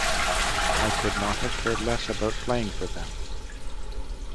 I could not have cared less about playing for them.